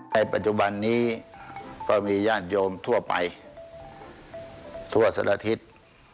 ปัจจุบันนี้ก็มีญาติโยมทั่วไปทั่วสารทิศ